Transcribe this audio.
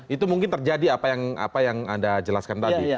itu mungkin terjadi apa yang anda jelaskan tadi